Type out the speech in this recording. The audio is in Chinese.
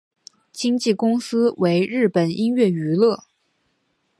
经纪公司为日本音乐娱乐。